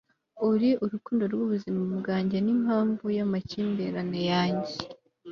uri urukundo rwubuzima bwanjye nimpamvu yamakimbirane yanjye